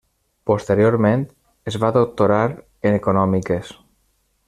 Posteriorment es va doctorar en Econòmiques.